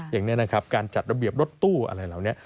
อย่างนี้นะครับการจัดระเบียบรถตู้อะไรเหล่านี้